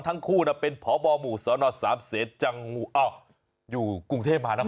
ทั้งคู่เป็นพบหมู่สนศเศรษฐ์จังหูอ้ออยู่กรุงเทพฯหานคร